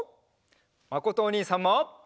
まことおにいさんも！